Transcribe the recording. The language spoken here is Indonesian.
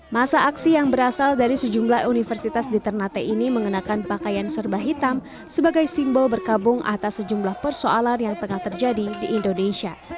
masa aksi yang berasal dari sejumlah universitas di ternate ini mengenakan pakaian serba hitam sebagai simbol berkabung atas sejumlah persoalan yang tengah terjadi di indonesia